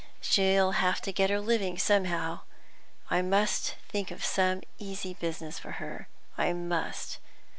She'll have to get her living somehow. I must think of some easy business for her, I must.